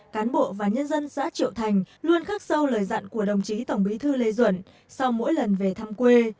cán bộ và nhân dân xã triệu thành luôn khắc sâu lời dặn của đồng chí tổng bí thư lê duẩn sau mỗi lần về thăm quê